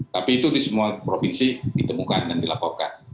tapi itu di semua provinsi ditemukan dan dilaporkan